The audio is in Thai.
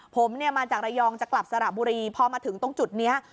ผมเนี่ยมาจากระยองจะกลับสระบุรีพอมาถึงตรงจุดนี้